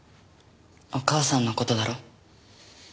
お母さんの事だろ？